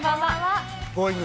Ｇｏｉｎｇ！